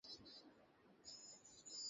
Hello, আপনি কে sir?